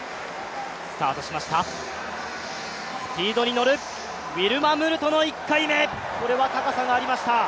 スピードに乗る、ウィルマ・ムルトの１回目、これは高さがありました。